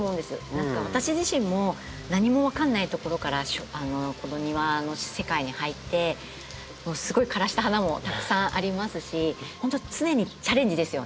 何か私自身も何も分かんないところからこの庭の世界に入ってもうすごい枯らした花もたくさんありますし本当常にチャレンジですよね。